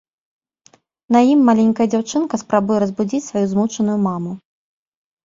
На ім маленькая дзяўчынка спрабуе разбудзіць сваю змучаную маму.